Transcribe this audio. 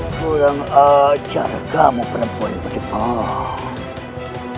kurang ajar kamu perempuan bergembang